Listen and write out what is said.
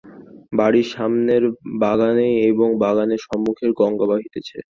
বাড়ির সামনেই বাগান এবং বাগানের সম্মুখেই গঙ্গা বহিতেছে।